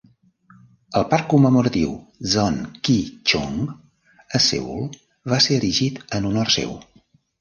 El parc commemoratiu Sohn Kee-chung a Seül va ser erigit en honor seu.